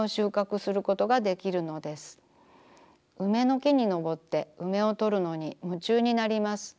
梅の木に登って梅をとるのに夢中になります。